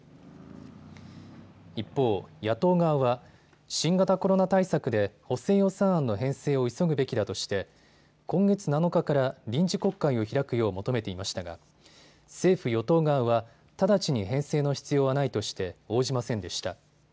一方、野党側は新型コロナ対策で補正予算案の編成を急ぐべきだとして今月７日から臨時国会を開くよう求めていましたが政府与党側は直ちに編成の必要はないとして応じませんでした。